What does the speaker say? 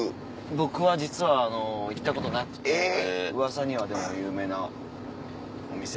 僕は実は行ったことなくてうわさにはでも有名なお店で。